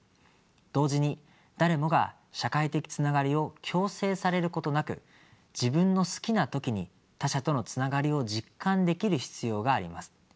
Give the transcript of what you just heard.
同時に誰もが社会的つながりを強制されることなく自分の好きな時に他者とのつながりを実感できる必要があります。